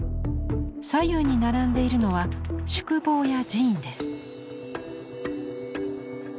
左右に並んでいるのは宿坊や寺院です。